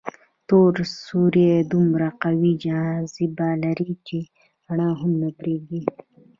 تور سوري دومره قوي جاذبه لري چې رڼا هم نه پرېږدي.